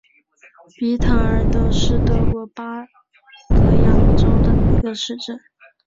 比塔尔德是德国巴伐利亚州的一个市镇。